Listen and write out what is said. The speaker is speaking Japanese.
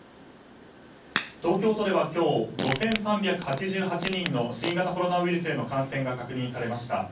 東京都では今日、５３８８人の新型コロナウイルスへの感染が確認されました。